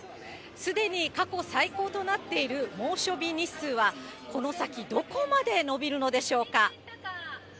すでに過去最高となっている猛暑日日数は、この先、どこまで伸びるのでしょうか。